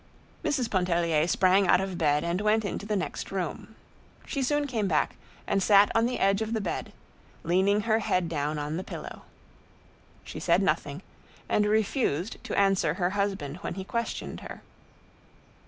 Mrs. Pontellier sprang out of bed and went into the next room. She soon came back and sat on the edge of the bed, leaning her head down on the pillow. She said nothing, and refused to answer her husband when he questioned her.